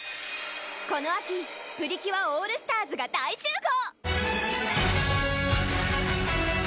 この秋プリキュアオールスターズが大集合！